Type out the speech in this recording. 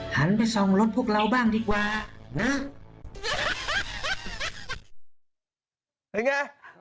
หันไปส่องรถพวกเราบ้างดีกว่านะ